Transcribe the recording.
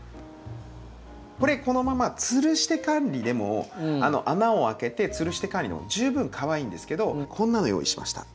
これこのままつるして管理でも穴を開けてつるして管理でも十分かわいいんですけどこんなの用意しました。